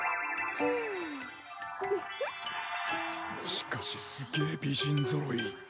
しかしすげえ美人揃い。